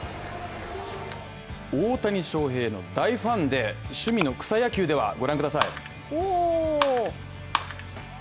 大谷翔平の大ファンで、趣味の草野球では、御覧ください。